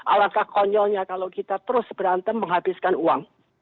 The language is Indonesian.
alangkah konyolnya kalau kita terus berantem menghabiskan uang